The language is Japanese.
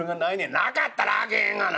「なかったらあけへんがな」。